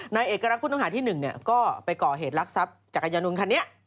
ในเอกรักษ์ผู้ต้องหาร่าที่๑ก็ไปก่อเหตุลักษณ์ทรัพย์จากอัญนุณคันนี้